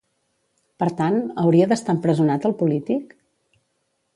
Per tant, hauria d'estar empresonat el polític?